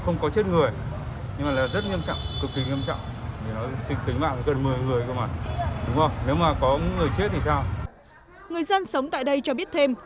người dân sống tại đây cho biết thêm